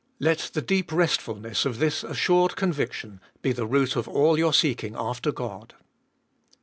Let the deep restfulness of this assured conviction be the root of all your seeking after God.